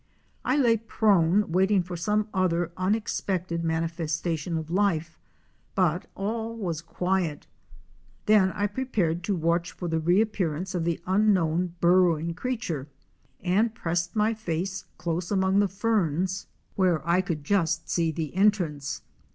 I lay prone, waiting for some other unexpected manifesta tion of life, but all was quiet. Then I prepared to watch for the reappearance of the unknown burrowing creature, and pressed my face close among the ferns where I could just see 314 OUR SEARCH FOR A WILDERNESS. the entrance.